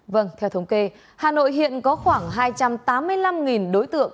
vâng theo thống kê hà nội hiện có khoảng hai trăm tám mươi năm đối tượng